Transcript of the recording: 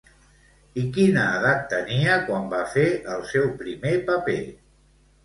I quina edat tenia quan va fer el seu primer paper?